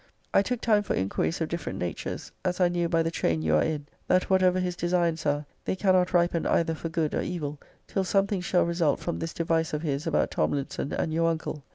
I took time for inquiries of different natures, as I knew, by the train you are in, that whatever his designs are, they cannot ripen either for good or >>> evil till something shall result from this device of his about Tomlinson and your uncle.